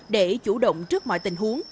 để chủ động trước mọi tình huống